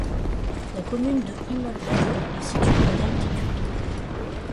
La commune de Himmelberg est située à d'altitude.